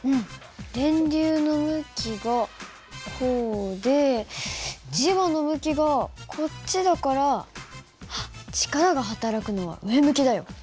電流の向きがこうで磁場の向きがこっちだから力が働くのは上向きだよ。